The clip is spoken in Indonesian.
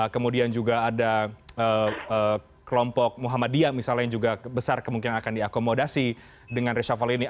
kemudian juga ada kelompok muhammadiyah misalnya yang juga besar kemungkinan akan diakomodasi dengan reshuffle ini